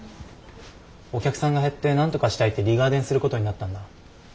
お客さんが減ってなんとかしたいってリガーデンすることになったんだ。